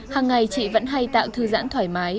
hàng ngày chị vẫn hay tạo thư giãn thoải mái